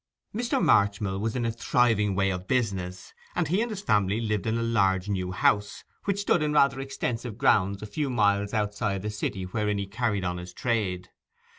Mr. Marchmill was in a thriving way of business, and he and his family lived in a large new house, which stood in rather extensive grounds a few miles outside the city wherein he carried on his trade.